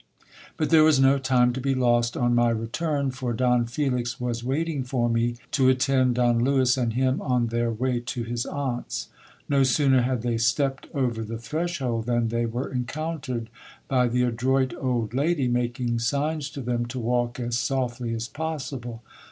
But there was no time to be lost on my return, for Don Felix was waiting for me to attend Don Lewis and him on their wiy to his aunt's. No sooner had they stepped over the threshold than they w are encountered by the adroit old lady, making signs to them to walk as softly as possible.